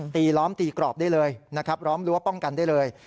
ล้อมตีกรอบได้เลยนะครับล้อมรั้วป้องกันได้เลย